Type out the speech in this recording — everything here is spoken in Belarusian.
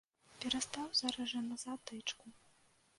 Перастаў зараз жа назад тычку!